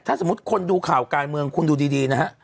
ถ้าสมมุติคนดูข่าวการเมืองคุณดูดีนะฮะ